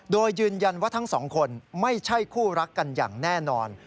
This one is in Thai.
โดยยืนยันว่าทั้งสองคนไม่ใช่คู่รักกันอย่างแน่นอน